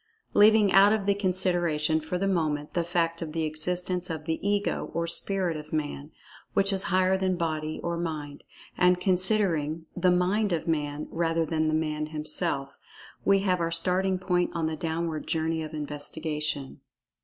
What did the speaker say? Leaving out of the consideration, for the moment, the fact of the existence of the "Ego," or "Spirit" of Man, which is higher than Body or Mind—and considering "the Mind of Man," rather than the Man himself—we have our starting point on the downward journey of investigation.